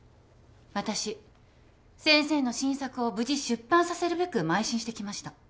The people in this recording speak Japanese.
私先生の新作を無事出版させるべくまい進してきました。